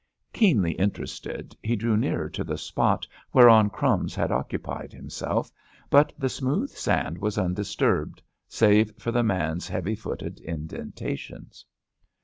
Keenly interested he drew nearer to the spot whereon "Crumbs" had occupied himself, but the smooth sand was undisturbed save for the man's heavy footed indentations.